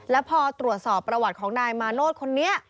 แล้วพอตรวจสอบประวัติของนายมาโนธคนนี้